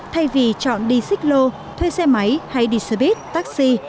thay vì chọn đi xích lô thuê xe máy hay đi xe buýt taxi